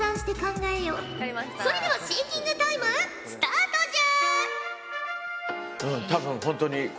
それではシンキングタイムスタートじゃ！